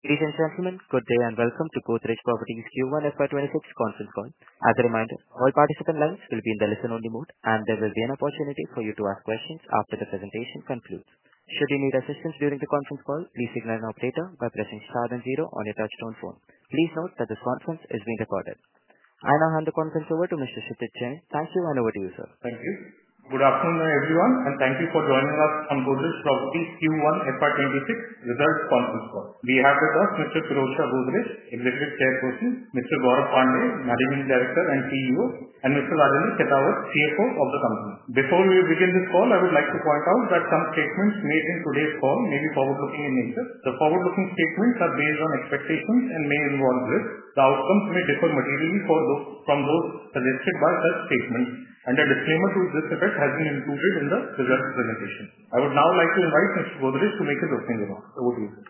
Ladies and gentlemen, good day and Welcome to Godrej Properties Q1 FY 2026 conference call. As a reminder, all participant lines will be in the listen-only mode and there will be an opportunity for you to ask questions after the presentation concludes. Should you need assistance during the conference call, please signal an operator by pressing star and zero on your touch tone phone. Please note that this conference is being recorded. I now hand the conference over to Mr. Kshitij Jain. Thank you, and over to you, sir. Thank you. Good afternoon everyone and thank you for joining us on Godrej Properties Q1 FY 2026 results conference call. We have with us Mr. Pirojsha Godrej, Executive Chairperson, Mr. Gaurav Pandey, Managing Director and CEO, and Mr. Arvind Khetawat, CFO of the company. Before we begin this call, I would. like to point out that some statements. Made in today's call may be forward looking in nature. The forward looking statements are based on expectations and may involve risks. The outcomes may differ materially from those suggested by such statements, and a disclaimer to this effect has been included in the result presentation. I would now like to invite Mr. Godrej to make his opening remarks. Now over to you, sir.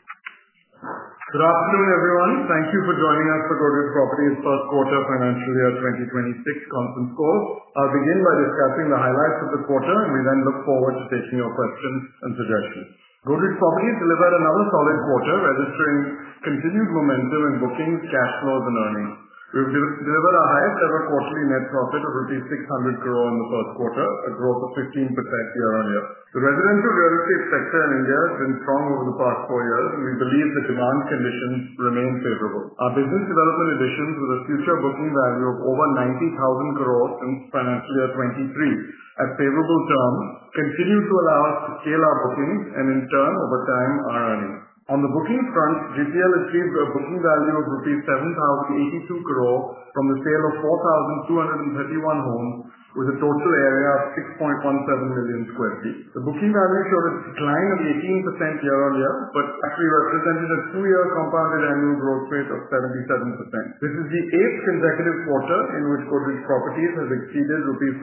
Good afternoon everyone. Thank you for joining us for Godrej. Properties first quarter financial year 2026 conference call. I'll begin by discussing the highlights of the quarter, and we then look forward to taking your questions and suggestions. Godrej Properties delivered another solid quarter, registering continued momentum in bookings, cash flows, and earnings. We have delivered our highest ever quarterly net profit of 600 crore in the first quarter, a growth of 15% year-on-year. The residential real estate sector in India. Has been strong over the past four years, and we believe the demand conditions remain favorable. Our business development additions with a future booking value of over 90,000 crore since financial year 2023 at favorable terms continue. To allow us to scale our bookings. Over time our earnings. On the booking front, GPL. achieved a. Booking value of rupees 7,082 crore from the sale of 4,231 homes with a total area of 6.17 million square feet. The booking value showed a decline of 18% year-on-year but actually represented a two year compound annual growth rate of 77%. This is the eighth consecutive quarter in which Godrej Properties has exceeded rupees 5,000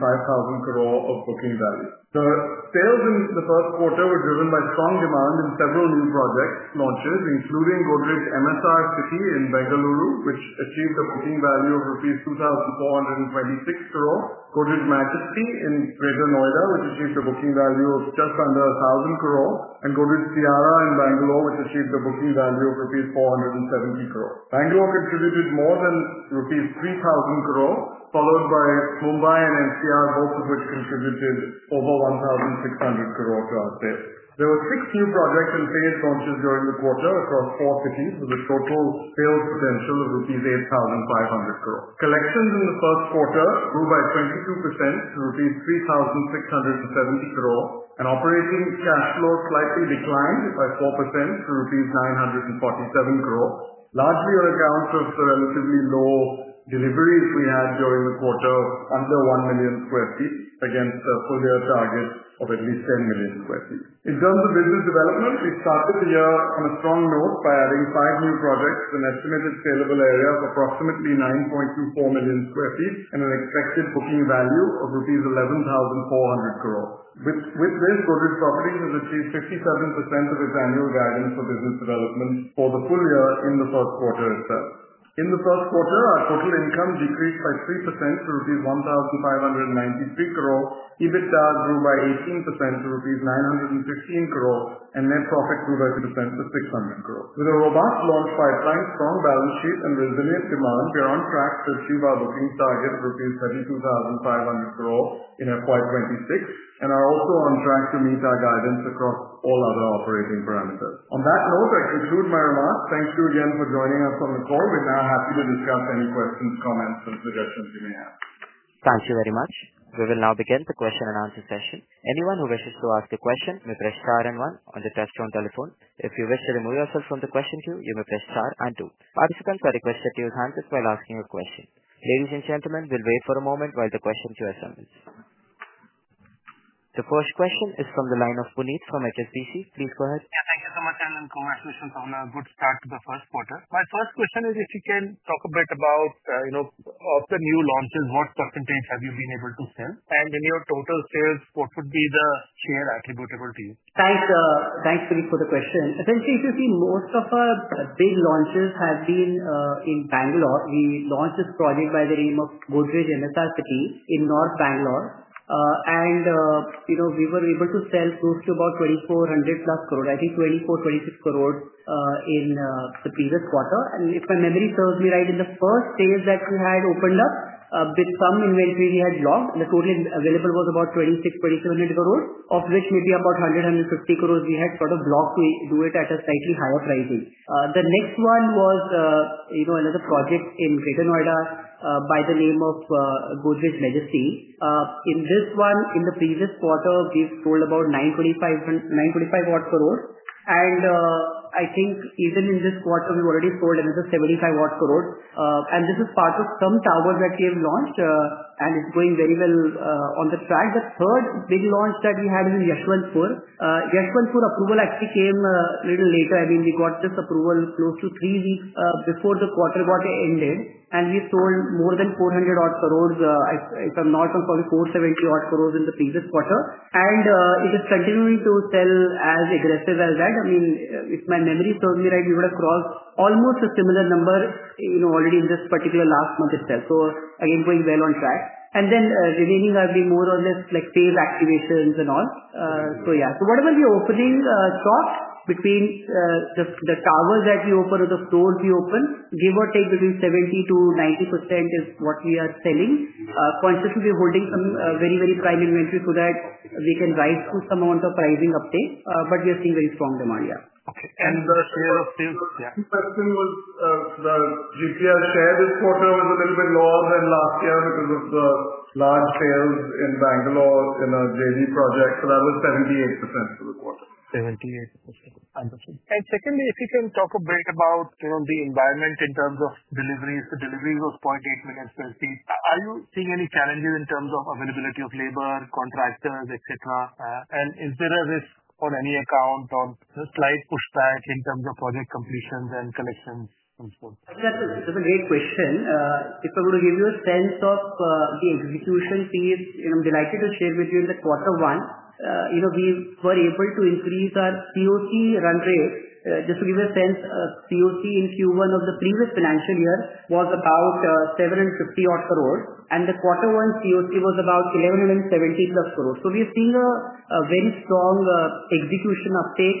crore of booking value. The sales in the first quarter were driven by strong demand in several new project launches including Godrej MSR City in Bengaluru which achieved a booking value of rupees 2,426 crore, Godrej Majesty in Greater Noida which achieved a booking value of just under 1,000 crore, and Godrej Tiara in Bengaluru which achieved a booking value of rupees 470 crore. Bengaluru contributed more than rupees 3,000 crore followed by Mumbai and NCR, both of which contributed over 1,600 crore to our sale. There were six new projects and phases. Launches during the quarter across four cities with a total sales potential of rupees 8,500 crore. Collections in the first quarter grew by 22% to rupees 3,000 million, and operating cash flow slightly declined. By 4% to rupees 947 crore, largely on account of the relatively low deliveries we had during the quarter, under 1 million square feet against a full year target of at least 10 million square feet. In terms of business development, we started the year on a strong note. Adding five new projects, an estimated scalable area of approximately 9.24 million square feet, and an expected booking value of rupees 11,400 crore. With this, Godrej Properties has achieved 67% of its annual guidance for business development for the full year in the first quarter itself. In the first quarter, our total income. Decreased by 3% to rupees 1,593 crore, EBITDA grew by 18% to rupees 915 crore, and net profit grew by 50% to 600 crore. With a robust launch pipeline, strong balance sheet, and resilient demand, we are on track to achieve our bookings target of 32,500 crore in FY 2026 and are also on track to meet our guidance across all other operating parameters. On that note, I conclude my remarks. Thanks again for joining us on the call. We're now happy to discuss any questions. Comments and suggestions you may have. Thank you very much. We will now begin the question and answer session. Anyone who wishes to ask a question may press Star and one on the touchtone telephone. If you wish to remove yourself from the question queue, you may press Star and two. Participants, I request that you use handsets while asking a question. Ladies and gentlemen, we'll wait for a moment while the question queue assembles. The first question is from the line of Puneet Gulati from HSBC. Please go ahead. Thank you so much and congratulations on. A good start to the first quarter. My first question is if you can talk a bit about the new launches, what % have you been able to sell, and in your total sales, what would be the share attributable to you? Thanks Puneet for the question. Essentially, if you see, most of our big launches have been in Bengaluru. We launched this project by the name of Godrej MSR City in North Bengaluru and we were able to sell close to about 2,400 crore plus, I think 2,426 crore in the previous quarter. If my memory serves me right, in the first days that we had opened up with some inventory we had logged, the total available was about 2,600-2,700 crore, of which maybe about 100-INR150 crore we had sort of blocked to do it at a slightly higher pricing. The next one was another project in Greater Noida by the name of Godrej Majesty. In this one, in the previous quarter we've sold about 925 crore and I think even in this quarter we've already sold, and this is 75 crore. This is part of some towers that we have launched and it's going very well on track. The third big launch that we had is in Yeshwanthpur. Yeshwanthpur approval actually came a little later. I mean, we got this approval close to three weeks before the quarter ended and we sold more than 400 crore. If I'm not, I'm probably 470 crore in the previous quarter and it is continuing to sell as aggressive as that. If my memory serves me right, we would have crossed almost a similar number already in this particular last month itself. Again, going well on track and then remaining are more or less like phase activations and all. Whatever the opening soft between the towers that we open or the floor we open, give or take between 70%-90% is what we are selling. We will be holding some very, very prime inventory so that we can rise to some amount of pricing uptake. We are seeing very strong demand. Yeah, okay. And. GPL share this quarter was a little bit lower than last year because. Of the large sales in Bengaluru in a joint venture project, that was 78% for the quarter. 78%. Secondly, if you can talk a bit about the environment in terms of deliveries, the delivery was 0.8 million square feet. Are you seeing any challenges in terms of availability of labor, contractors, etc.? Is there a risk for any account or slight pushback in terms of project completions and collections? That's a great question. If I were to give you a sense of the execution piece, I'm delighted to share with you. In the quarter one, we were able to increase our CoC run rate just to give a sense. CoC in Q1 of the previous financial year was about 750 crore, and the quarter one CoC was about 1,170 crore. We are seeing a very strong execution uptake.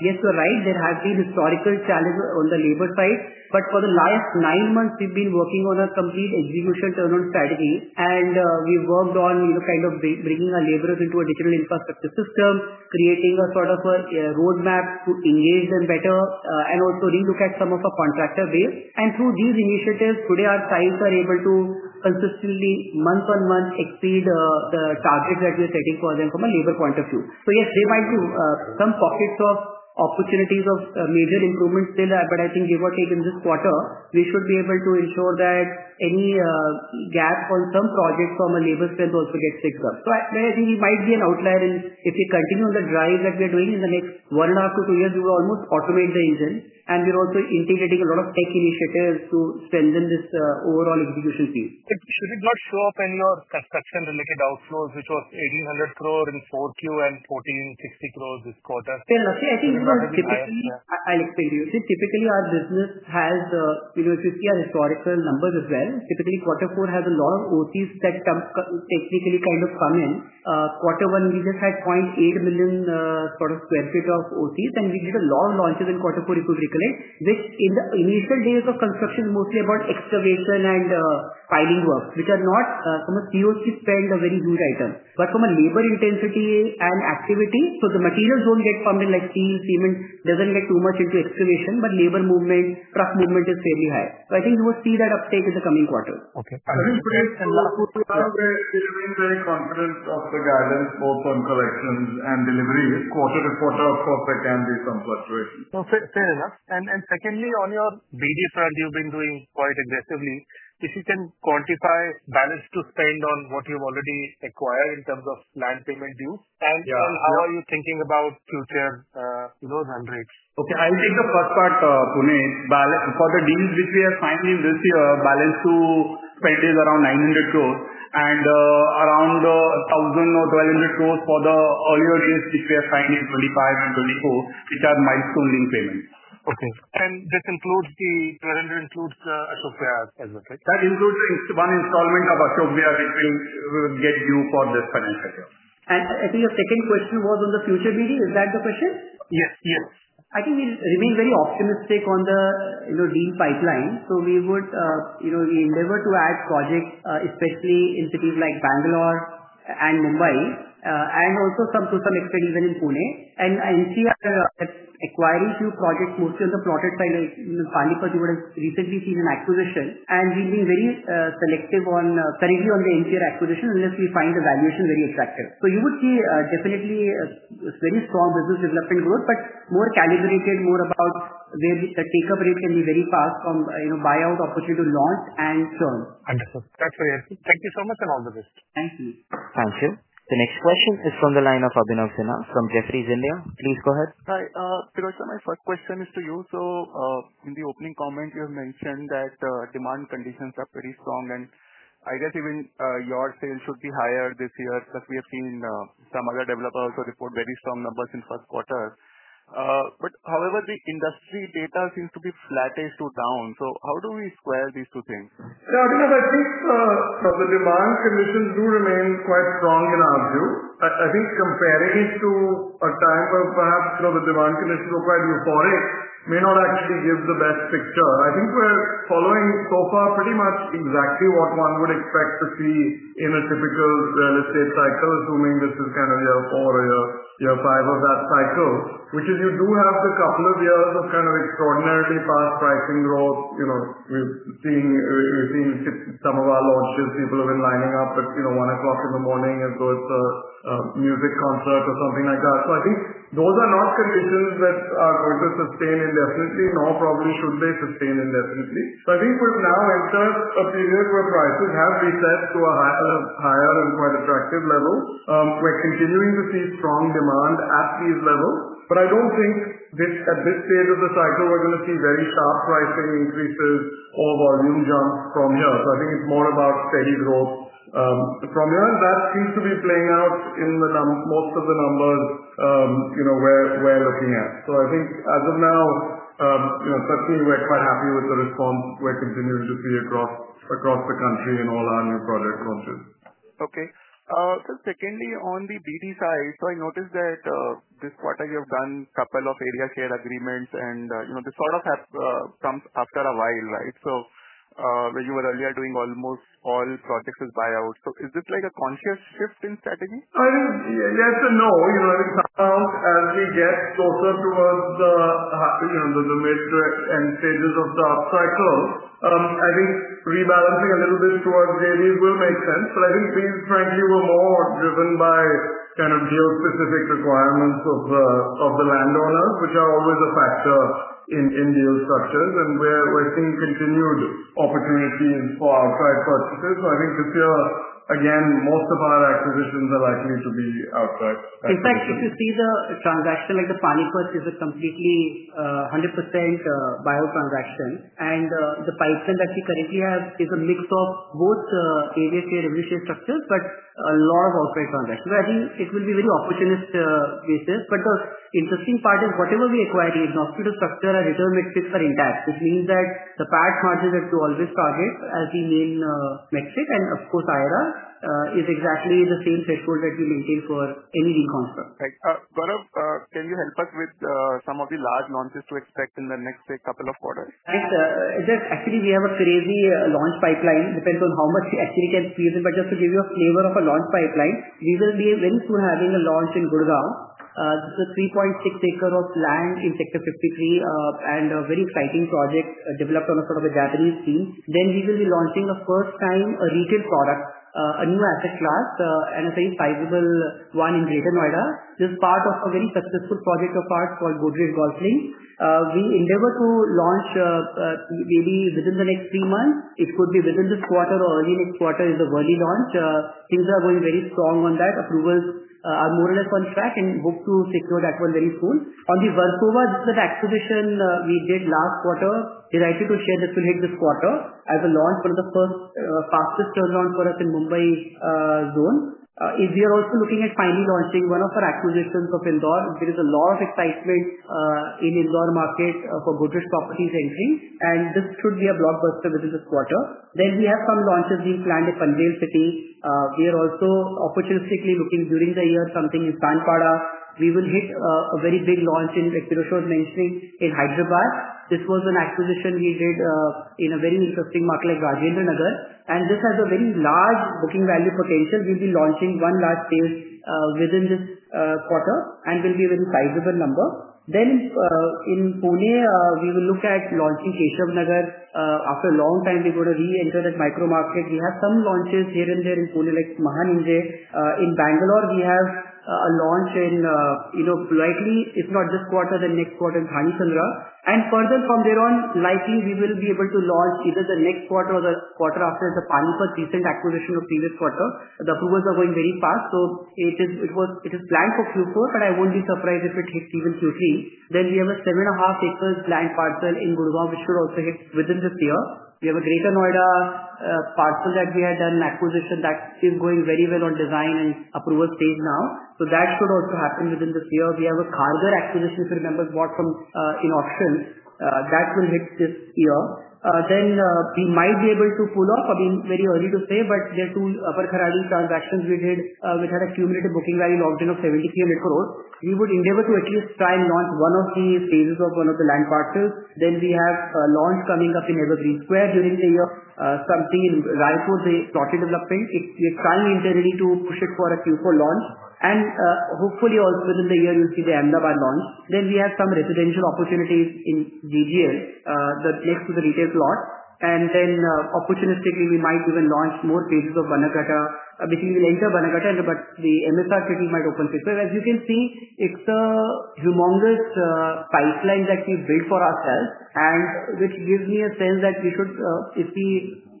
Yes, you are right, there have been historical challenges on the labor side, but for the last nine months we've been working on a complete execution turn on strategy and we've worked on kind of bringing our laborers into a digital infrastructure system, creating a sort of roadmap to engage them better. We also relooked at some of our contractor base, and through these initiatives today, our sites are able to consistently mont-on-month exceed the targets that we are setting for them from a labor point of view. There might be some pockets of opportunities of major improvements still. I think, give or take, in this quarter we should be able to ensure that any gap on some project from a labor spend also gets picked up. I think we might be an outlier. If we continue on the drive that we're doing, in the next one and a half-two years, we will almost automate the engine. We're also integrating a lot of tech initiatives to strengthen this overall execution. Phase, should it not show up in your construction-related outflows, which was 1,800 crore in Q4 and 1,460 crore this quarter. I think typically, I'll explain to you, typically our business has, if you see our historical numbers as well, typically quarter four has a lot of OCs that technically kind of come in quarter one. We just had 0.8 million square feet of OCs and we did a lot of launches in quarter four equivalent recollect, which in the initial days of construction, mostly about excavation and piling work, which are not from a COC spend a very huge item, but from a labor intensity and activity, so the materials don't get pumped in like steel. Cement doesn't get too much into excavation, but labor movement, truck movement is fairly high. I think you would see that uptake in the coming quarters. We remain very confident of the guidance. Both on collections and deliveries quarter to quarter. Of course, there can be some fluctuations. Fair enough. Secondly, on your business development front, you've been doing quite aggressively. If you can quantify balance to spend on what you've already acquired in terms of land payment dues, how are you thinking about future run rates? Okay, I'll take the first part. Puneet for the deals which we have signed in this year. Balance to spend is around 900 crore and around 1,000 or 1,200 crore for the earlier deals which we have signed in 2025 and 2024, which are milestone-linked payments. Okay. This includes the 1,200, includes [Ashok] Vyas as well. That includes one installment of [Ashok Vyas] which will get due for this financial year. I think your second question was on the future business development. Is that the question? Yes, yes. I think we remain very optimistic on the deal pipeline. We endeavor to add projects especially in cities like Bengaluru and Mumbai and also to some extent even in Pune and NCR, acquiring few projects mostly on the plotted side like Pandikat. You would have recently seen an acquisition and we've been very selective currently on the NCR acquisition unless we find the valuation very attractive. You would see definitely very strong business development growth, but more calibrated, more about where the take up rate can be very fast from buyout opportunity to launch and churn. That's very helpful. Thank you so much, and all the best. Thank you. Thank you. The next question is from the line of Abhinav Sinha from Jefferies India. Please go ahead. Hi sir, my first question is to you. In the opening comment you have mentioned that demand conditions are very strong, and I guess even your sales should be higher this year. We have seen some other developers who report very strong numbers in the first quarter. However, the industry data seems to be flattish to down. How do we square these two things? I think the demand conditions do remain quite strong in our view. Comparing it to a time where perhaps the demand conditions are quite euphoric may not actually give the best picture. I think we're following so far pretty much exactly what one would expect to. See, in a typical real estate cycle, assuming this is kind of year four, year five of that cycle, which is. You do have a couple of years of kind of extraordinarily fast pricing growth. You know we've seen some of our launches. People have been lining up at one oclock in the morning. as though it's a music concert or something like that. I think those are not conditions that are going to sustain indefinitely, nor. Probably should they sustain indefinitely. I think we've now entered a period where prices have reset to a. Higher and quite attractive level. We're continuing to see strong demand. These levels, I don't think at. This stage of the cycle we're going. To see very sharp pricing increases or volume jumps from here, I think it's more about steady growth from here. That seems to be playing out. Most of the numbers we're looking at, I think as of now certainly we're quite happy with the response we're continuing to see across the country in all our new project launches. Okay. Secondly, on the business development side, I noticed that this quarter you've done a couple of area share agreements, and this sort of comes after a while. Right. When you were earlier doing almost all projects as buyouts, is this like a conscious shift in strategy? I think yes and no. I think as we get closer towards the middle end stages of dark cycle, I think rebalancing a little bit towards joint ventures will make sense. I think these frankly were more driven by kind of deal specific requirements. Of the landowners, which are always a factor in deal structures and where we're seeing continued opportunities for outright purchases, I think this year again most of our acquisitions are likely to be outright. In fact, if you see the transaction like the Panipat, it is a completely 100% buyout transaction, and the pipeline that we currently have is a mix of both JV structures, but a lot of outright transactions. I think it will be very opportunistic basis. The interesting part is whatever we acquire, the agnostic structure, a return metric for intact. This means that the PAT margin that we always target as the main metric, and of course IRR, is exactly the same threshold that we maintain for any reconstruct. Gaurav, can you help us with some of the large launches to expect in the next couple of quarters? Actually we have a crazy launch pipeline. Depends on how much you actually can squeeze in. Just to give you a flavor of a launch pipeline, we will be very soon having a launch in Gurgaon, 3.6 acres of land in Sector 53, and a very exciting project developed on a sort of a gathering scene. We will be launching a first time retail product, a new asset class and a very sizable one in Greater Noida. This is part of a very successful project of ours called—we endeavor to launch maybe within the next three months. It could be within this quarter or early next quarter. It is a Worli launch. Things are going very strong on that. Approvals are more or less on track and hope to secure that one very soon on the Versova. This is the acquisition we did last quarter, the righteous share. This will hit this quarter as a launch, one of the fastest turnarounds for us in Mumbai Zone. We are also looking at finally launching one of our acquisitions of Indore. There is a lot of excitement in Indore market for Godrej Properties entry and this should be a blockbuster within this quarter. We have some launches being planned in Panvel City. We are also opportunistically looking during the year at something in Sanpada. We will hit a very big launch in Main Street in Hyderabad. This was an acquisition we did in a very interesting market like Rajendra Nagar and this has a very large booking value potential. We'll be launching one large phase within this quarter and it will be a very sizable number. In Pune we will look at launching Keshavnagar. After a long time we're going to re-enter that micro market. We have some launches here and there in Pune like Mahanijay. In Bengaluru we have a launch in, you know, Blightly, if not this quarter then next quarter in Khani Chandra and further from there on likely we will be able to launch either the next quarter or the quarter after the Panipat recent acquisition of previous quarter. The approvals are going very fast. It is planned for Q4 but I won't be surprised if it hits even Q3. We have a 7.5 acre plant parcel in Gurwa which should also hit within this year. We have a Greater Noida parcel that we had done acquisition that is going very well on design and approval stage now. That should also happen within this year. We have a cargo acquisition if members bought from in auction that will hit this year then we might be able to pull off. I mean very early to say, but there are two Upper Kharani transactions we did which had a cumulative booking value logged in of 7,300 crore. We would endeavor to at least try and launch one of the phases of one of the land parcels. We have a launch coming up in Evergreen Square during the year, something right where they started developing it. We are trying internally to push it for a Q4 launch, and hopefully also within the year you'll see the Ahmedabad launch. We have some residential opportunities in GGL next to the retail plot. Opportunistically, we might even launch more phases of Banagatta, which we'll enter. Banagatta, but the Godrej MSR City might open. As you can see, it's a humongous pipeline that we built for ourselves, which gives me a sense that we should, if we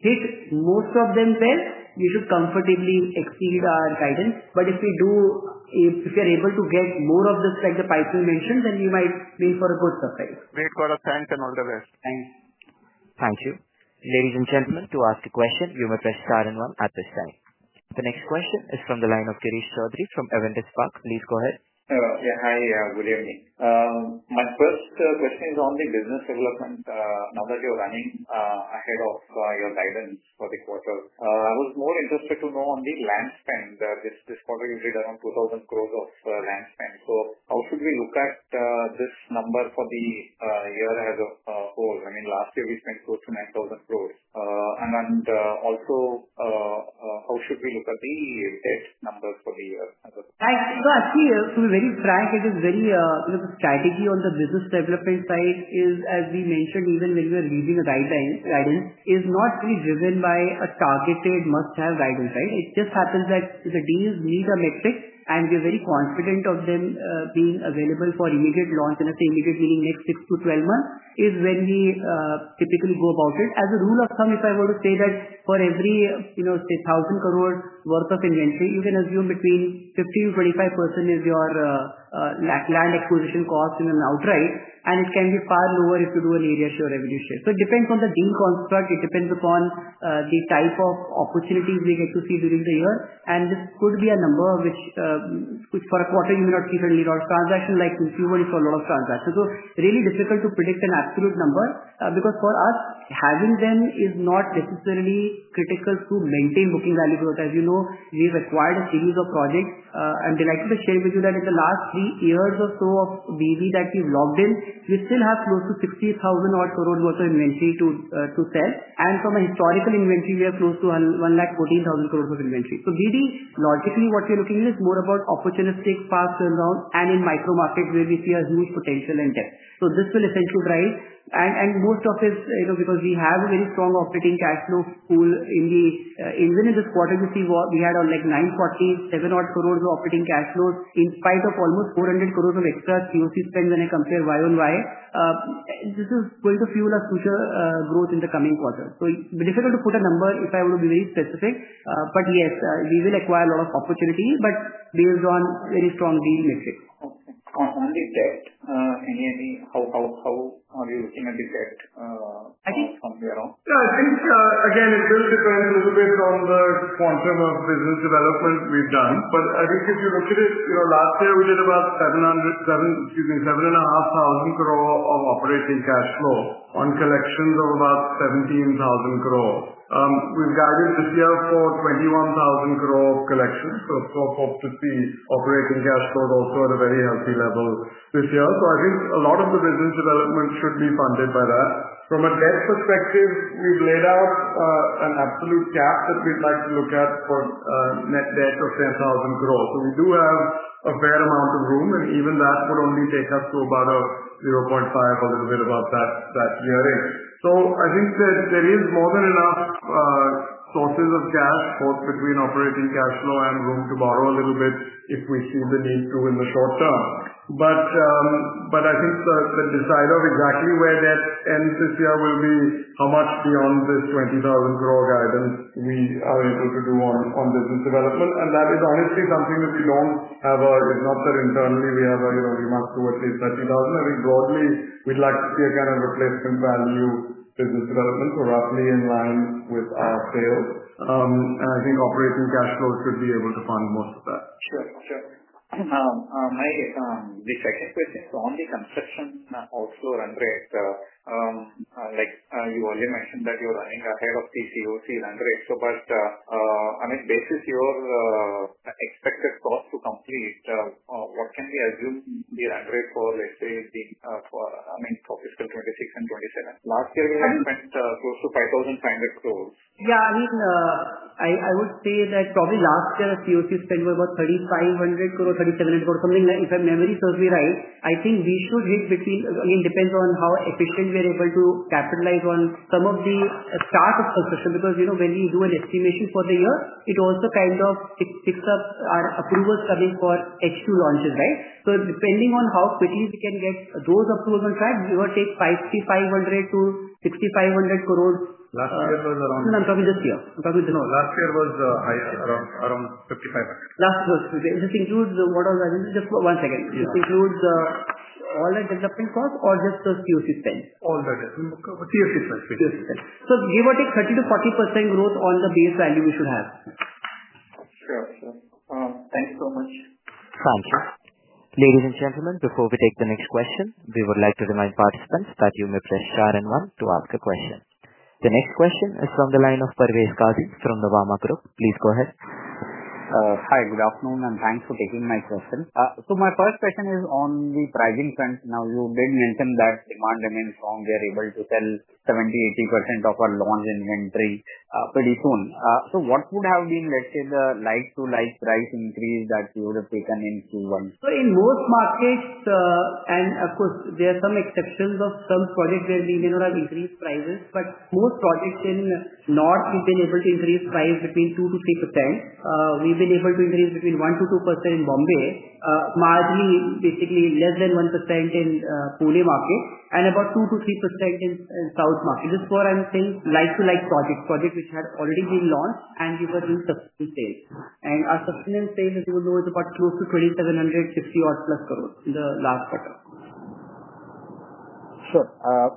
hit most of them well, you should comfortably exceed our guidance. If you're able to get more of this, like the pipeline mentioned, then we might be for a good surprise. Great. Word of thanks and all the best. Thanks. Thank you. Ladies and gentlemen, to ask a question you may press Star and one at this time. The next question is from the line of Girish Choudhary from [Aventus Park]. Please go ahead. Hi, good evening. My first question is on the business development. Now that you're running ahead of your guidance for the quarter, I was more interested to know on the land spend this quarter. You did around 2,000 crore of land spend. How should we look at this number for the year as a whole? I mean last year we spent close to 9,000 crore. Also, how should we look at the debt numbers for the year? Actually, to be very frank, it is very—the strategy on the business development side is, as we mentioned, even when we are leaving, the right time guidance is not really driven by a targeted must-have guidance. Right. It just happens that the deals need a metric, and we're very confident of them being available for immediate launch in a, say, immediate dealing. Next six-twelve months is when we typically go about it. As a rule of thumb, if I were to say that for every 1,000 crore worth of inventory, you can assume between 50%-25% is your land exposition cost in an outright, and it can be far lower if you do an area share, revenue share. It depends on the deal construct, it depends upon the type of opportunities we get to see during the year. This could be a number which for a quarter you may not see friendly or transactions like Q1 is for a lot of transactions. Really difficult to predict an absolute number because for us, having them is not necessarily critical to maintain booking value growth. As you know, we've acquired a series of projects. I'm delighted to share with you that in the last three years or so of BD that we've logged in, we still have close to 60,000 crore worth of inventory to sell. From a historical inventory, we are close to 1,14,000 crore of inventory. BD logically, what we're looking at is more about opportunistic fast turnaround and in micro markets where we see a huge potential and debt. This will essentially rise, and most of it because we have a very strong operating cash flow pool. Even in this quarter, you see what we had on, like, 947 crore operating cash flows in spite of almost 400 crore of extra CoC spend. When I compare YoY, this is going to fuel a future growth in the coming quarter. Difficult to put a number if I want to be very specific, but yes, we will acquire a lot of opportunity but based on very strong deal. Electric on the debt. How are you looking at the debt from the. I think again it will depend a little bit on the quantum of business development we've done. I think if you look at it, last year we did about 7,500 million. crore of operating cash flow on collections of about 17,000 crore. We've guided this year for 21,000 crore of collections. Hope to see operating cash flows also at a very healthy level this year. I think a lot of the. Business development should be funded by that. From a debt perspective, we've laid out an absolute gap that we'd like to. Look at for net debt of 10,000 crore. We do have a fair amount. Of room, and even that would only. Take us to about 0.5, a little bit above that year end. I think that there is more than enough sources of cash both between. Operating cash flow and room to borrow a little bit if we see the need to in the short term. I think the decide of exactly. Where that ends this year will be. How much beyond this 20,000 crore guidance we are able to do on business development. That is honestly something that we don't have. It's not that internally we have to do at least 30,000. I think broadly we'd like to see again a replacement value business development roughly in line with our sales, and I think operating cash flow should be able to fund most of that. Sure. The second question is on the construction outflow and rates, like you already mentioned that you're running ahead of the CoC run rate. Based on your expected cost to complete, what can we assume the run rate for? Let's say for fiscal 2026 and 2027, last year you had spent close to 5,500 crore. Yeah, I mean I would say that probably last year CoC spent about 3,500 crore, 3,700 crore or something like if my memory serves me right, I think we should hit between, again depends on how efficient we are able to capitalize on some of the start of succession. Because you know when we do an estimation for the year it also kind of picks up our approvals coming for H2 launches. Right. Depending on how quickly we can get those approvals on track, we will take 5,500-6,500 crore. Last year was around, I'm talking this. Last year was higher, around 55%. This includes all the development costs or just the CoC spend, [all the cocaine]. Give or take 30% -40% growth on the base value we should have. Sure, thanks so much. Thank you. Ladies and gentlemen, before we take the next question, we would like to remind participants that you may press Star one to ask a question. The next question is from the line of Parvez Qazi from the Nuvama Group. Please go ahead. Hi, good afternoon and thanks for taking my question. My first question is on the pricing front. You did mention that demand remains strong. We are able to sell [70-80%] of our launch inventory pretty soon. What would have been, let's say, the like-to-like price increase that you would have taken in Q1? In most markets, and of course there are some exceptions of some project where we may not have increased prices, but most projects in north we've been able to increase price between 2%-3%. We've been able to increase between 1%-2% in Mumbai, marginally, basically less than 1% in Pune market, and about 2%-3% in south market. This one I'm saying like to like project, project which had already been launched and we were doing sustenance sales, and our sustenance sales as you would know is about close to 2,750 crore in the last quarter. Sure.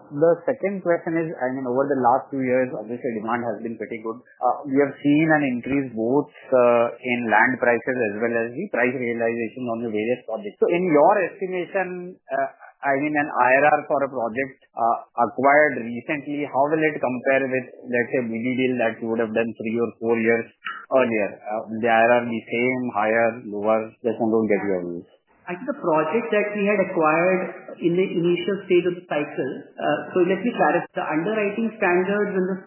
The second question is, I mean over the last few years obviously demand has been pretty good. We have seen an increase both in land prices as well as the price realization on the various projects. In your estimation, I mean an IRR for a project acquired recently, how will it compare with let's say a [BB] deal that you would have done three or four years earlier? Is the IRR the same, higher, or lower? Just want to get your views. I think the project that we had acquired in the initial stage of the cycle, so let me clarify. The underwriting standards in the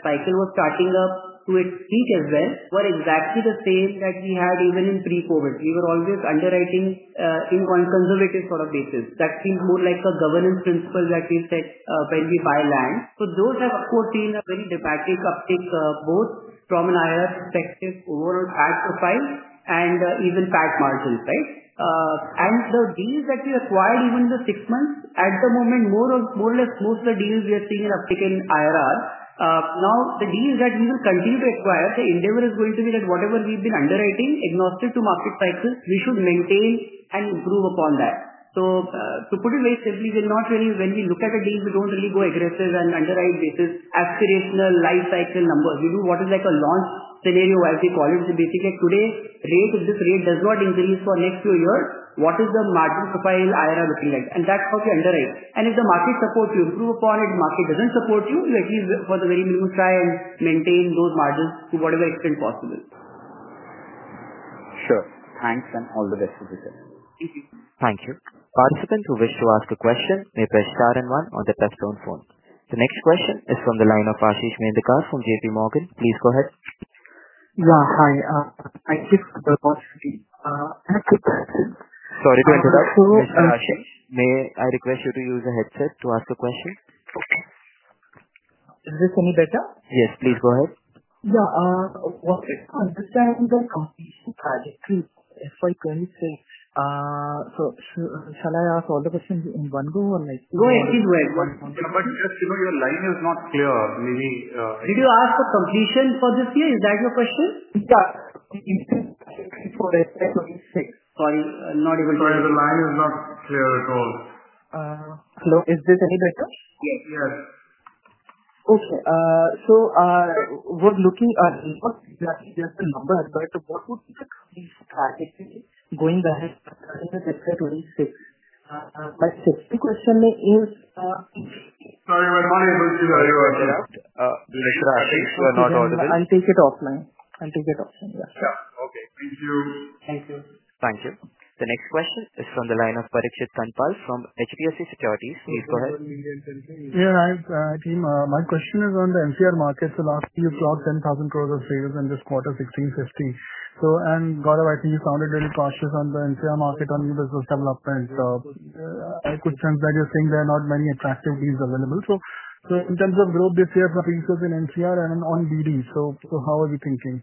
cycle was starting up to its peak as well, were exactly the same that we had even in pre-COVID. We were always underwriting in a conservative sort of basis that seems more like a governance principle that we set when we buy land. Those have, of course, seen a very dramatic uptick both from an IRR perspective overall ad profile and even PAT margins, and the deals that we acquired even in the six months at the moment, more or less most of the deals, we are seeing an uptick in IRR. Now, the deal that we will continue to acquire, the endeavor is going to be that whatever we've been underwriting, agnostic to market cycle, we should maintain and improve upon that. To put it very simply, when we look at a deal, we don't really go aggressive and underwrite basis aspirational life cycle numbers. We do what is like a launch scenario, as we call it, is basically today rate. If this rate does not increase for next few years, what is the margin profile, IRR looking at? That's how you underwrite, and if the market supports you, improve upon it. If the market doesn't support you, you at least for the very minimum try and maintain those margins to whatever extent possible. Sure. Thanks, and all the best. Thank you. Thank you. Participants who wish to ask a question may press Star one on the telephone. The next question is from the line of Ashish Mehdikar from JP Morgan. Please go ahead. Yeah, hi, thank you for the call Sorry to interrupt. May I request you to use a headset to ask a question? Is this any better? Yes, please go ahead. Yeah, understand the competition project, please. FY 2023. Shall I ask all the questions in one go or go anywhere? Your line is not clear, maybe Did you ask for. Completion for this year? Is that your question? Sorry, The line is not clear at all. Hello. Is this any better? Yes. Yes. Okay. Was looking at just a number, but what would going ahead? The questionnaire is. Sorry. I'll take it offline. Yeah. Okay. Thank you. Thank you. Thank you. The next question is from the line of Parikshit Kandpal from HDFC Securities. Please go ahead. Yeah. Hi team. My question is on the NCR market, the last few, 10,000 crores of sales in this quarter, 1,650. So. Gaurav, I think you sounded really cautious on the NCR market on new business development. I could sense that you're saying there are not many attractive deals available. In terms of growth this year for pesos in NCR and on business development, how are we thinking?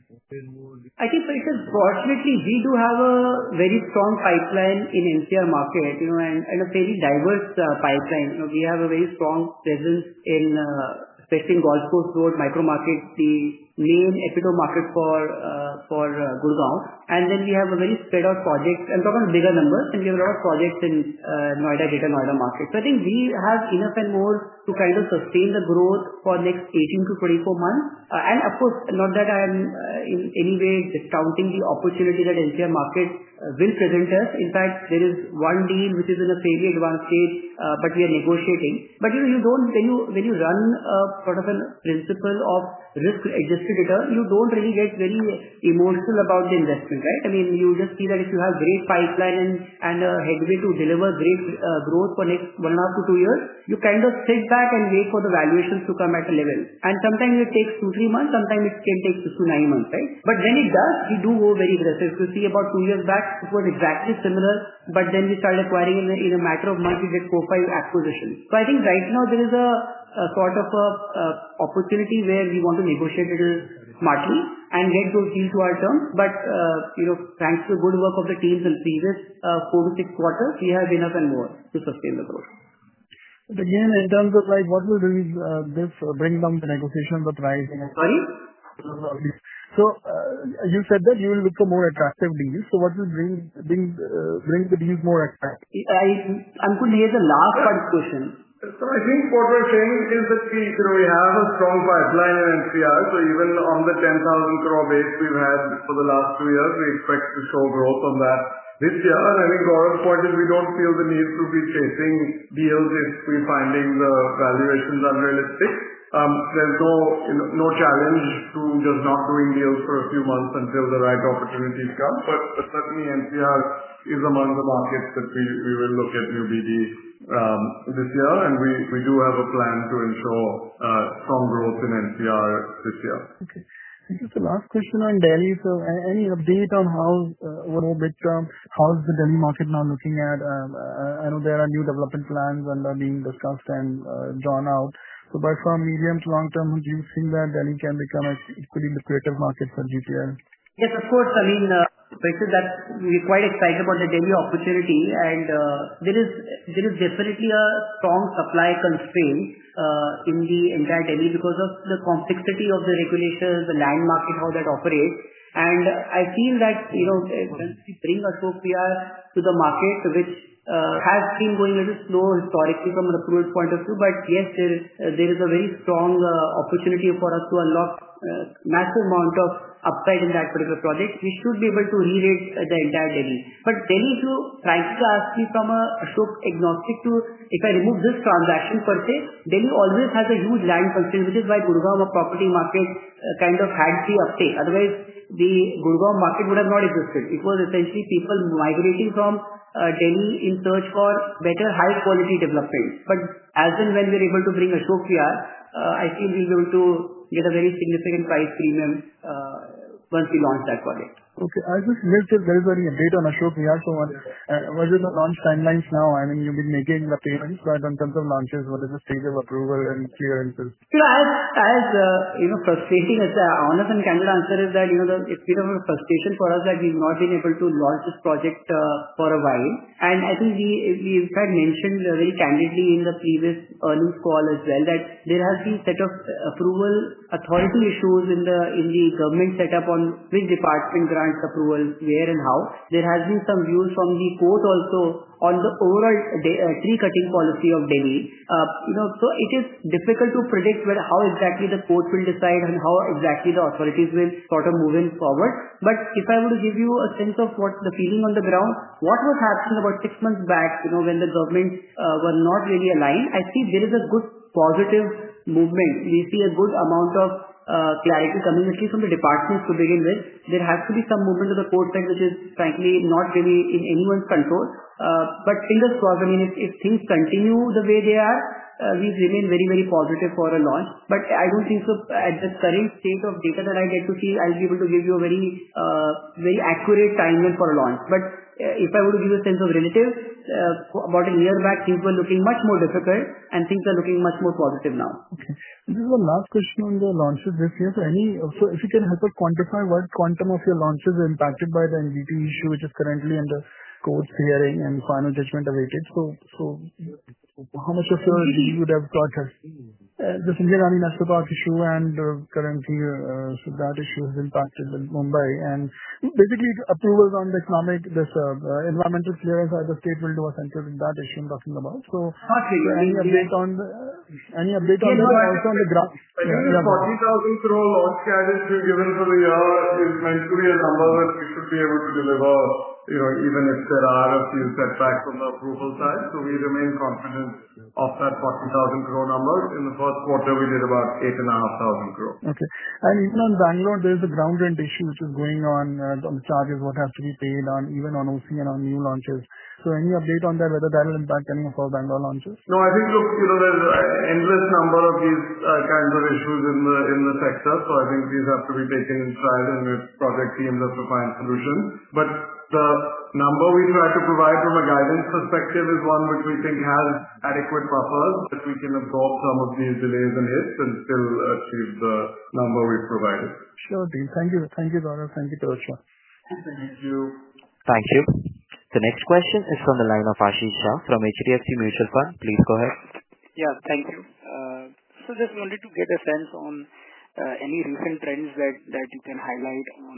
I think fortunately we do have a very strong pipeline in the NCR market and a fairly diverse pipeline. We have a very strong presence, especially in the Golf Course Road micro market, the main Ecuador market for Gurgaon. We have a very spread out project and probably bigger numbers, and we have a lot of projects in the Noida, Greater Noida market. I think we have enough and more to kind of sustain the growth for the next 18-24 months. Of course, not that I am in any way discounting the opportunity that the LPI market will present us. In fact, there is one deal which is in a fairly advanced stage. We are negotiating. When you run sort of a principle of risk-adjusted data, you don't really get very emotional about the investment. Right. I mean you just see that if you have big pipeline and a headway to deliver great growth for next one, two to two years, you kind of sit back and wait for the valuations to come at a level, and sometimes it takes two, three months, sometimes it can take six-nine months. When it does, we do go very aggressive. You see about two years back it was exactly similar, then we started acquiring. In a matter of months we did four or five acquisitions. I think right now there is a sort of opportunity where we want to negotiate it smartly and get those deals to our terms. Thanks to the good work of the teams in previous four-six quarters, we have been up and more to sustain the growth. Again, in terms of like what will this bring down, the negotiation? The price. Sorry. You said that you will look for more attractive deals. What will bring the deals more attractive? I'm going to raise the last part question. I think what we're saying is that we have a strong pipeline, and even on the INR 10,000 crore base we've had for the last. Two years, we expect to show growth on that this year. I think Gaurav's point is we don't feel the need to be chasing deals if we're finding the valuations unrealistic. There's no challenge to just not doing deals for a few months until the right opportunities come. Certainly, NCR is among the markets that we will look at new business development this year, and we do have a plan to ensure strong growth in NCR this year. Last question on Delhi. Any update on how over midterm, how is the Delhi market now looking at? I know there are new development plans that are being discussed and drawn out. By far medium to long term, do you think that Delhi can become an equally lucrative market for GPL? Yes, of course. I mean we're quite excited about the Delhi opportunity and there is definitely a strong supply constraint in the entire Delhi because of the complexity of the regulations, the land market, how that operates, and I feel that bringing Ashok PR to the market, which has been going a little slow historically from an approval point of view, is important. There is a very strong opportunity for us to unlock a massive amount of upside in that particular project. We should be able to re-rate the entire Delhi, but Delhi, if you price it. Lastly, from a show agnostic to if I remove this transaction per se. Delhi always has a huge land function, which is why the Gurgaon property market kind of had the uptake otherwise the Gurgaon. Market would have not existed. It was essentially people migrating from Delhi in search for better high quality development. As and when we are able to bring [Ashok Priya], I feel we'll be able to get a very significant price premium once we launch that project. Okay, I just want to update on [Ashokriya]. What are the launch timelines now? I mean you've been making the payments in terms of launches. What is the stage of approval and clearances? As frustrating as the honest and candid answer is, it's a bit of a frustration for us that we've not been able to launch this project for a while. I think we in fact mentioned very candidly in the previous earnings call as well that there has been a set of approval authority issues in the government setup on which department grants approval, where and how. There have been some views from the court also on the overall tree cutting policy of Delhi. It is difficult to predict how exactly the court will decide and how exactly the authorities will sort of move forward. If I were to give you a sense of what the feeling on the ground was, what was happening about six months back when the government was not really aligned, I see there is a good positive movement. We see a good amount of clarity coming at least from the department to begin with. There has to be some movement of the court bank, which is frankly not really in anyone's control. Fingers crossed. If things continue the way they are, we remain very, very positive for a launch. I don't think at the current state of data that I get to see I'll be able to give you a very, very accurate timeline for a launch. If I were to give a sense of relative about a year back, things were looking much more difficult and things are looking much more positive. Now this is one last question on the launches this year. If you can help us quantify what quantum of your launches are impacted by the NDT issue which is currently under hearing and final judgment awaited. How much of you would have got over the [Sanjay National Park] issue and currently that issue has impacted Mumbai and basically approvals on the economic. This environmental clearance as the state will do a center in that issue I'm talking about. Any update on the graph. 40,000 Crore launch categories given for the year is meant to be a number that. We should be able to deliver even if there are a few setbacks on the approval side. We remain confident of that 40,000 crore number. In the first quarter, we did about 8,500 crore. Okay. Even on Bengaluru, there's a ground rent issue which is going on. Charges have to be paid even on OC and on new launches. Any update on that, whether that will impact any of our Bengaluru launches? No, I think there's endless number of these kinds of issues in the sector. I think these have to be taken in trial, and project teams have to find solutions. The number we try to provide. From a guidance perspective, is one which. We think has adequate buffers that we can absorb some of these delays and hits and still achieve the number we've provided. Sure. Thank you. Thank you, Gaurav. Thank you. Thank you. Thank you. The next question is from the line of Ashish Shah from HDFC Mutual Fund. Please go ahead. Thank you. Just wanted to get a sense on any recent trends that you can highlight on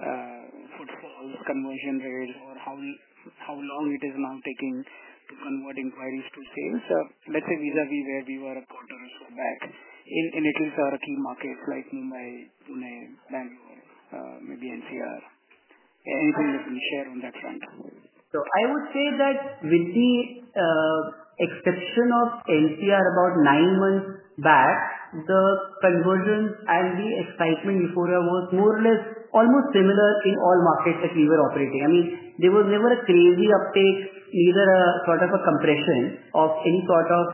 footfalls, conversion rates, or how long it is now taking to convert inquiries to sales. Let's say vis a vis where we were a quarter or so back in at least our key markets like Mumbai, Pune, Bengaluru, maybe NCR. Anything that we share on that front. I would say that with the exception of NCR about nine months back, the convergence and the excitement, euphoria was more or less almost similar in all markets that we were operating. I mean, there was never a crazy uptake, neither a sort of a compression of any sort of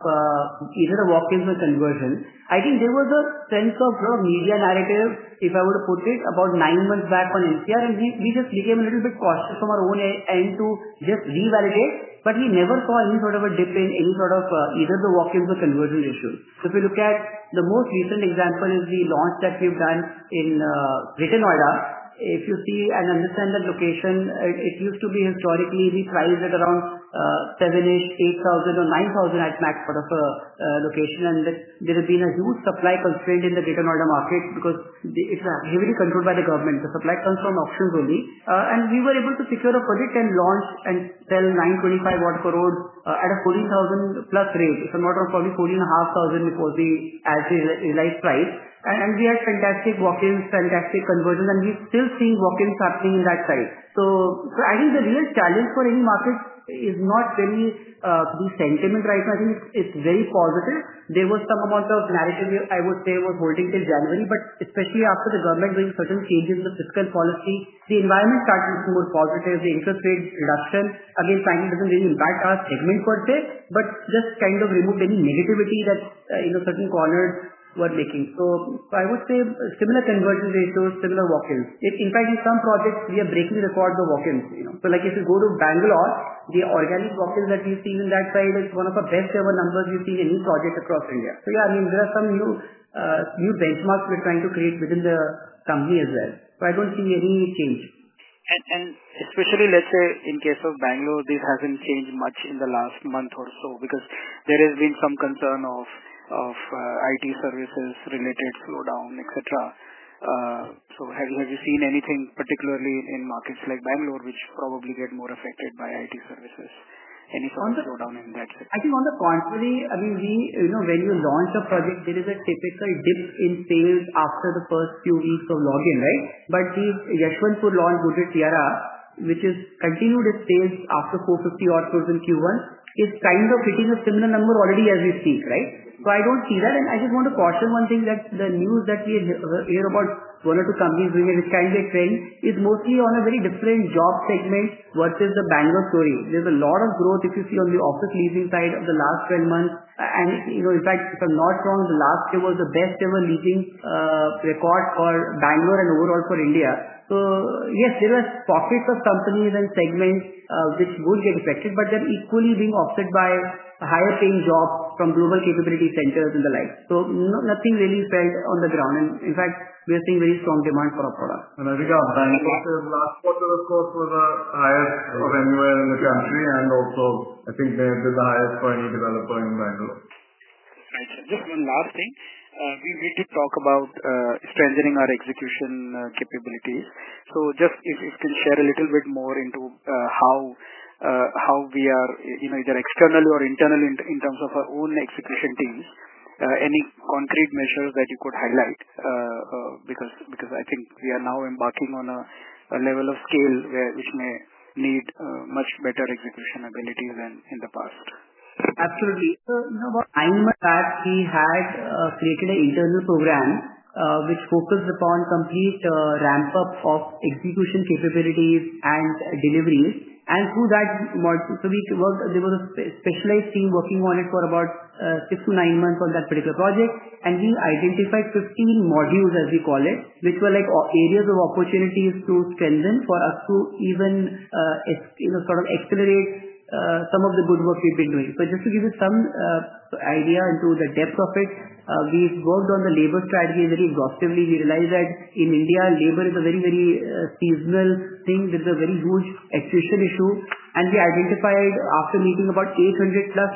either walk-ins or conversion. I think there was a sense of media narrative, if I were to put it, about nine months back on NCR, and we just became a little bit cautious from our own end to just revalidate. We never saw any sort of a dip in any sort of either the walk-ins or conversion issue. If you look at the most recent example, the launch that we've done in Greater Noida, if you see and understand the location, it used to be historically priced at around 7,000, 8,000, or 9,000 at max, sort of a location. There has been a huge supply constraint in the Greater Noida market because it's heavily controlled by the government. The supply comes from auctions only. We were able to secure a project and launch and sell 925 crore at a 14,000+ rate, if I'm not wrong, probably 14,500 because the realized price. We had fantastic walk-ins, fantastic conversions, and we still see walk-ins happening in that site. I think the real challenge for any market is not really the sentiment right now. I think it's very positive. There was some amount of narrative, I would say, was holding till January, but especially after the government doing certain changes of fiscal policy, the environment started looking more positive. The interest rate reduction again, frankly, doesn't really impact our segment per se, but just kind of removed any negativity that certain corners were making. I would say similar conversion ratios, similar walk-ins. In fact, in some projects we are breaking record walk-ins. If you go to Bengaluru, the organic walk-in that we've seen in that site, it's one of the best ever numbers we've seen in each project across India. There are some new benchmarks we're trying to create within the company as well. I don't see any change. Especially, let's say in case of Bengaluru, this hasn't changed much in the last month or so because there has been some concern of IT services related slowdown, etc. Have you seen anything particularly in markets like Bengaluru which probably get more affected by IT services, any sort of slowdown in that? I think on the contrary, I mean, when you launch a project, there is a typical dip in sales after the first few weeks of login. Right. The Yeshwanthpur launch, Godrej Tiara, which has continued its sales after 450 crore in Q1, is kind of hitting a similar number already as we speak. I don't see that. I just want to caution one thing, that the news we hear about one or two companies doing a reset, their trend is mostly on a very different job segment versus the Bengaluru story. There's a lot of growth if you see on the office leasing side over the last 12 months, and in fact, if I'm not wrong, last year was the best ever leasing record for Bengaluru and overall for India. Yes, there are profits of companies and segments which won't get affected, but they're equally being offset by higher paying jobs from global capability centers and the like. Nothing really felt. In fact, we are seeing very strong demand for our products and I think. Our bank last quarter, of course, was. The highest of anywhere in the country. I think maybe the highest for any developer in Bengaluru. Just one last thing, we did talk about strengthening our execution capabilities. If you can share a little bit more into how we are either externally or internally in terms of our own execution teams, any concrete measures that you could highlight. I think we are now embarking on a level of scale which may need much better execution ability than in the past. Absolutely. Nine months back we had created an internal program which focused upon complete ramp up of execution capabilities and deliveries through that module. There was a specialized team working on IT for about six- nine months on that particular project. We identified 15 modules, as we call it, which were areas of opportunities to strengthen for us to even sort of accelerate some of the good work we've been doing. Just to give you some idea into the depth of it, we've worked on the labor strategy very exhaustively. We realized that in India labor is a very, very seasonal thing. There is a very huge attrition issue. We identified after meeting about 800+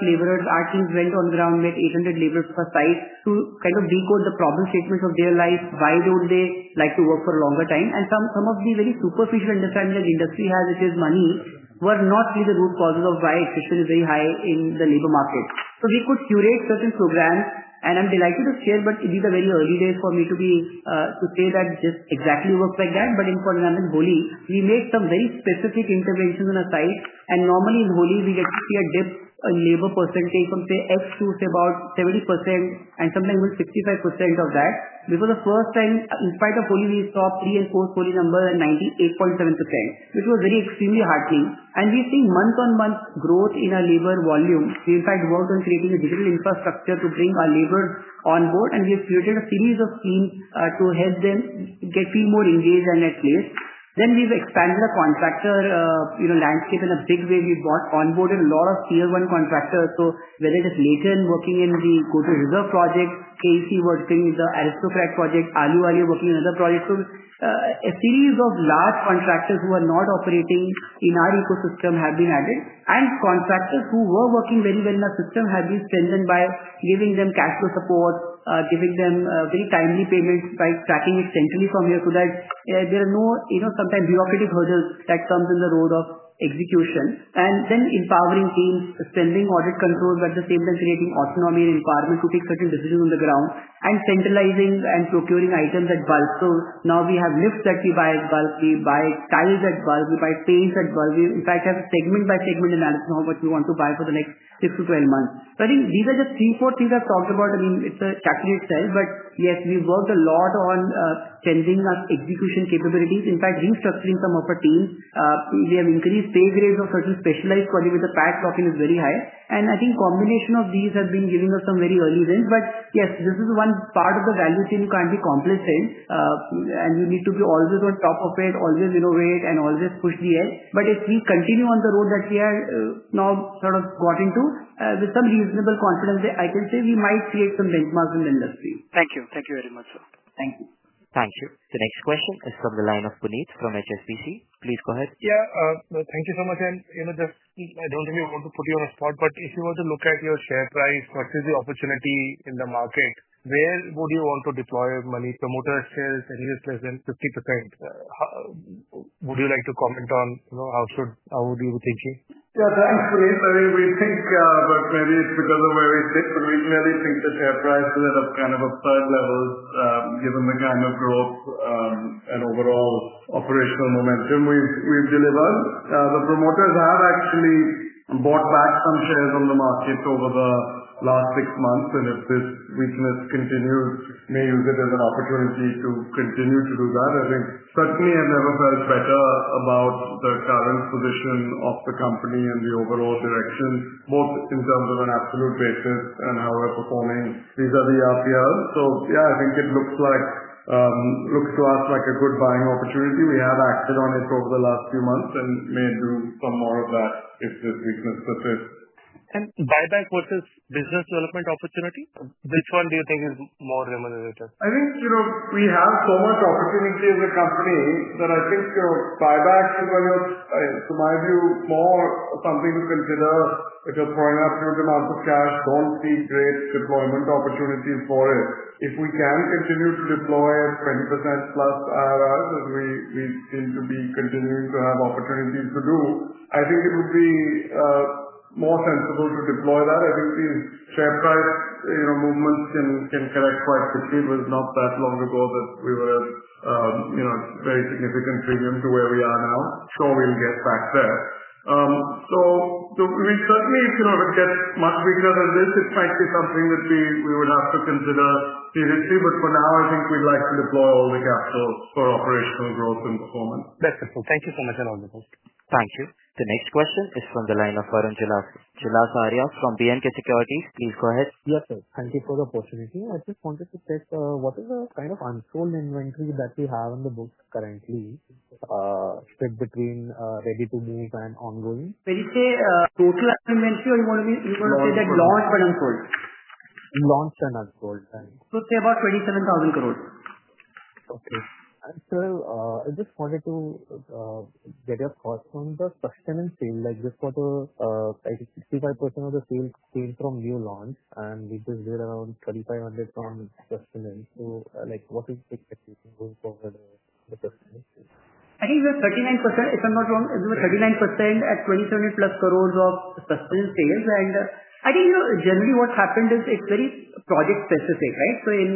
laborers, our teams went on the ground with 800 laborers per site to kind of decode the problem statements of their life. Why don't they like to work for a longer time? Some of the very superficial understanding that industry has, which is money, were not really the root causes of why attrition is very high in the labor market. We could curate certain programs. I'm delighted to share, but these are very early days for me to say that this exactly works like that. For example, in Holi we made some very specific interventions on a site and normally in Holi we get to see a dip in labor percentage from say X to about 70% and sometimes 65% of that. For the first time, in spite of Holi, we stopped 3 and 4 Holi number and 98.7% which was extremely heartening. We've seen month on month growth in our labor volume. We in fact worked on creating a digital infrastructure to bring our laborers on board. We have created a series of schemes to help them get people more engaged and at place. We've expanded the contractor landscape in a big way. We onboarded a lot of tier one contractors. Whether it is [Laken] working in the [Koto Reserve project], KEC working in the Aristocrat project, [Alu Aliya] working in other projects, a series of large contractors who were not operating in our ecosystem have been added. Contractors who were working very well in our system have been strengthened by giving them cash flow support, giving them very timely payments by tracking it centrally from here, so that there are no sometimes bureaucratic hurdles that come in the road of execution. Empowering teams, spending, audit control, but at the same time creating autonomy and requirement to take certain decisions on the ground and centralizing and procuring items at bulk. Now we have lifts that we buy at bulk, we buy tiles at bulk, we buy paints at bulk. In fact, we have segment by segment analysis how much we want to buy for the next six-twelve months. I think these are just three, four things I've talked about. I mean it's a category itself. Yes, we worked a lot on changing our execution capabilities. In fact, restructuring some of our teams. We have increased pay grades of certain specialized coordinator pad blocking is very high and I think combination of these has been giving us some very early wins. Yes, this is one part of the value chain. You can't be complicit and you need to be always on top of it, always innovating and always push the edge. If we continue on the road that we are now sort of got into with some reasonable confidence, I can say we might create some benchmarks in the industry. Thank you. Thank you very much, sir. Thank you. Thank you. The next question is from the line of Puneet from HSBC. Please go ahead. Thank you so much. I don't really want to put you on a spot, but if you want to look at your share price versus the opportunity in the market, where would you want to deploy money? Promoter shares any less than 50%? Would you like to comment on how would you be thinking? Yeah, thanks Puneet. I think we think, maybe it's because of where we sit, but we clearly think the share price is at. A kind of upside level given the kind of growth and overall operational momentum we've delivered. The promoters have actually bought back some shares on the market over the last six months, and if this weakness continues, may use it as an opportunity to continue to do that. I think certainly I've never felt better about the current position of the company and the overall direction both in terms of an absolute basis and how we're performing. These are the RPA. I think it looks to us like a good buying opportunity. We have acted on it over the last few months and may do some more of that if this weakness persists. Buyback versus business development opportunity, which one do you think is more remunerated? I think we have so much opportunity as a company that I think buyback to my view more. Something to consider if you're throwing up huge amounts of cash, don't see great deployment opportunities for it. If we can continue to deploy at 20%+ IRR as we seem to be continuing to have opportunities to do, I think it would be more sensible to deploy that. I think these share price movements can. Correct quite the deal with not that long ago that we were at a very significant premium to where we are now. Sure we'll get back there. If it gets much bigger than this, it might be something that we. Would have to consider seriously. For now I think we'd like. To deploy all the capital for operational growth and performance. Thank you so much, and all the best. Thank you. The next question is from the line of Varun Julasaria from B&K Securities. Please go ahead. Yes sir. Thank you for the opportunity. I just wanted to check what it is. The kind of unsold inventory that we have in the book currently is split between ready to move and ongoing. When you say total inventory, you want to say. That launch, but unsold launched and unsold. About INR 27,000 crore. Okay, so I just wanted to get your thoughts on the suction and sale. Like this quarter, 65% of the sale seen from new launch and we just did around INR 3,500 million from sustainance. What is the expectation going forward? I think we are 39% if I'm not wrong, 39% at 27 crore plus of sustain sales. I think, you know, generally what happened is it's very project specific, right? In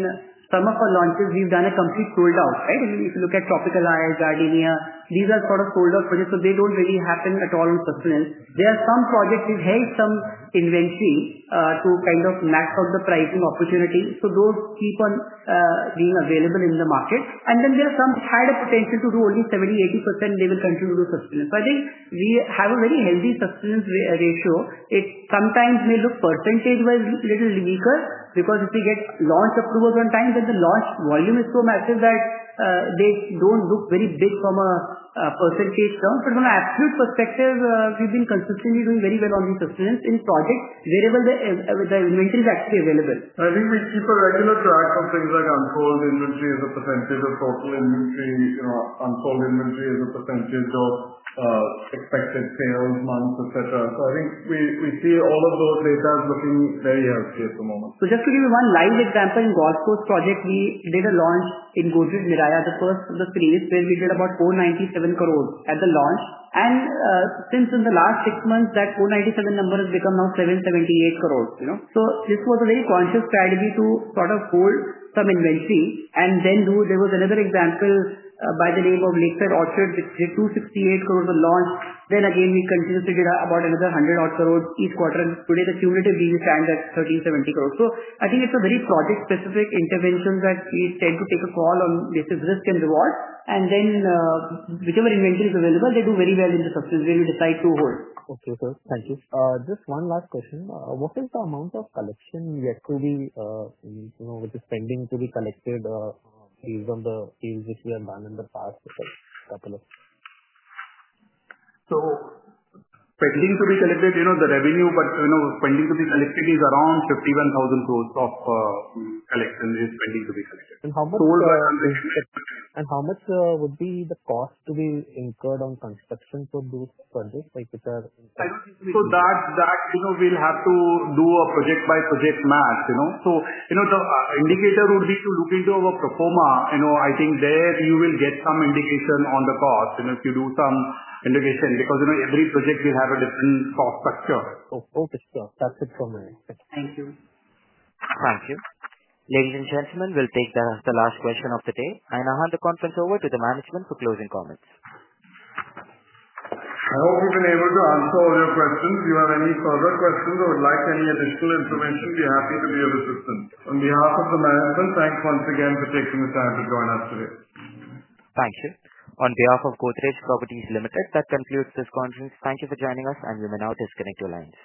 some of our launches we've done a complete sold out, right? If you look at Tropical Island, Gardenia, these are sort of sold out projects, so they don't really happen at all. There are some projects that held some inventory to kind of max out the pricing opportunity, so those keep on being available in the market. Then there are some had a potential to do only 70%, 80%, they will continue to sustenance. I think we have a very healthy sustenance ratio. It sometimes may look percentage wise a little weaker because if we get launch approvals on time, then the launch volume is so massive that they don't look very big. From an absolute perspective, we've been consistently doing very well on these sustenance in projects wherever the inventory is actually available. I think we keep a regular track of things like unsold inventory as a. Percentage of total inventory, unsold inventory as a % of expected sales, months, etc. I think we see all of those data looking very healthy at the moment. Just to give you one line example, in Godrej project, we did a launch in Godrej [Majesty], the first phase where we did about 497 crore at the launch. In the last six months, that 497 crore number has now become 778 crore rupees. This was a very conscious strategy to sort of hold some inventory. There was another example by the name of Lakeside Orchard, which did 268 crore on launch. Again, we continue to get about another 100 crore each quarter, and today the cumulative sales stand at 1,370 crore. I think it's a very project-specific intervention that we tend to take a call on, based on risk and reward, and then whichever inventory is available, they do very well in the subsidiaries where you decide to hold. Okay sir, thank you. Just one last question. What is the amount of collection yet to be collected based on the sales which we have done in the past couple of years? Spending to be collected, you know the revenue, but you know spending to be collected is around 51,000 crore. Collection is pending to be collected. How much would be the cost to be incurred on construction for those projects? We'll have to do a project by project math. The indicator would be to look into our pro forma. I think there you get some indication on the cost, and if you do some indication, because every project will have a different cost structure. Okay, sure. That's it from there. Thank you. Thank you, ladies and gentlemen. We'll take the last question of the day. I now hand the conference over to the management for closing comments. I hope you've been able to answer all your questions. If you have any further questions or would like any additional information, be happy. To be able to send. On behalf of the management, thanks once. you for taking the time to join us today. Thank you. On behalf of Godrej Properties Ltd., that concludes this conference. Thank you for joining us. You may now disconnect your lines.